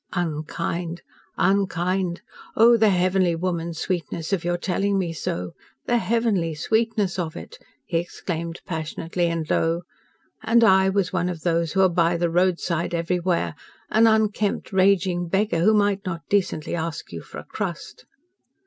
"Unkind! Unkind! Oh, the heavenly woman's sweetness of your telling me so the heavenly sweetness of it!" he exclaimed passionately and low. "And I was one of those who are 'by the roadside everywhere,' an unkempt, raging beggar, who might not decently ask you for a crust."